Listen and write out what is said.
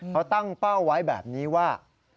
เขาตั้งเป้าไว้แบบนี้ว่า